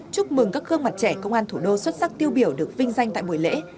chúc mừng các gương mặt trẻ công an thủ đô xuất sắc tiêu biểu được vinh danh tại buổi lễ